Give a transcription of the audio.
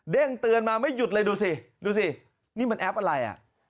เด้งเตือนมาไม่หยุดเลยดูสินี่มันแอปอะไร